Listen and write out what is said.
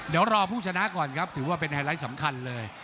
เดี๋ยวรอผู้ชนะก่อนครับถือว่าเป็นไฮไลท์สำคัญเลย